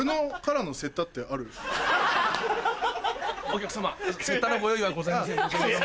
お客様雪駄のご用意はございません。